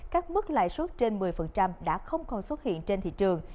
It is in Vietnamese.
các mức lãi suất trên một mươi đã không còn xuất hiện trên thị trường